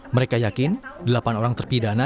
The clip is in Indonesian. mereka yakin delapan orang terpidana